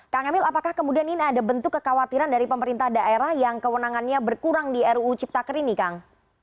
kang emil apakah kemudian ini ada bentuk kekhawatiran dari pemerintah daerah yang kewenangannya berkurang di ruu ciptaker ini kang